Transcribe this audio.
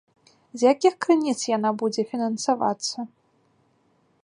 З якіх крыніц яна будзе фінансавацца?